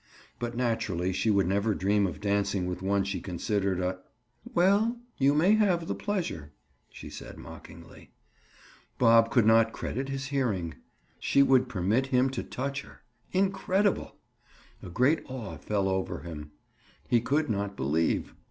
But naturally she would never dream of dancing with one she considered a—? "Well, you may have the pleasure," she said mockingly. Bob could not credit his hearing. She would permit him to touch her. Incredible! A great awe fell over him. He could not believe.